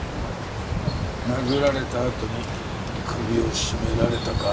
殴られたあとに首を絞められたか。